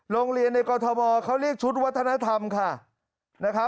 โรงเรียนในกรทมเขาเรียกชุดวัฒนธรรมค่ะ